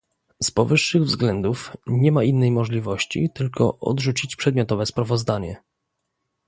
Z powyższych względów nie ma innej możliwości, tylko odrzucić przedmiotowe sprawozdanie